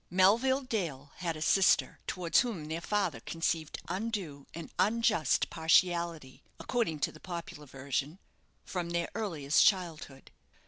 Melville Dale had a sister, towards whom their father conceived undue and unjust partiality (according to the popular version) from their earliest childhood.